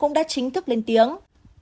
cũng đã chính thức lên tiếng